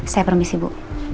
saya permisi bu